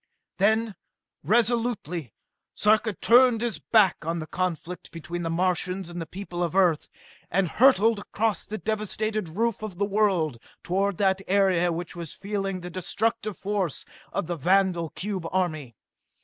Then, resolutely, Sarka turned his back on the conflict between the Martians and the people of Earth, and hurtled across the devastated roof of the world toward that area which was feeling the destructive force of the vandal cube army.